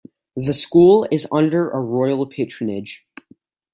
The school is under a royal patronage.